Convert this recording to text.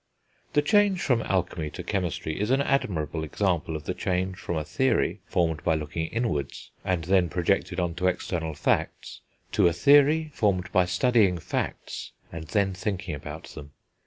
The change from alchemy to chemistry is an admirable example of the change from a theory formed by looking inwards, and then projected on to external facts, to a theory formed by studying facts, and then thinking about them.